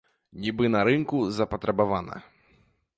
Нібы на рынку запатрабавана.